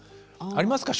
ありますか？